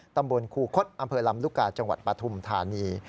ตำบลคูคศอำเภอลำลูกกาจังหวัดปฐุมธานี